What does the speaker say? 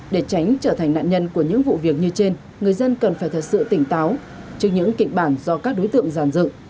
để tránh trở thành nạn nhân của những vụ việc như trên người dân cần phải thật sự tỉnh táo trước những kịch bản do các đối tượng giàn dựng